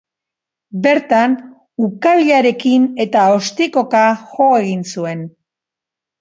Bertan, ukabilarekin eta ostikoka jo egin zuen.